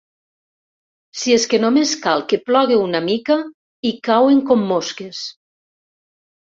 Si és que només cal que plogui una mica i cauen com mosques.